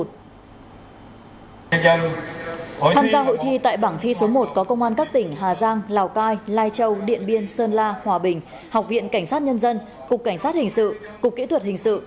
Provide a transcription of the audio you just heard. tham gia hội thi tại bảng thi số một có công an các tỉnh hà giang lào cai lai châu điện biên sơn la hòa bình học viện cảnh sát nhân dân cục cảnh sát hình sự cục kỹ thuật hình sự